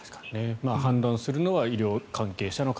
判断するのは医療関係者の方。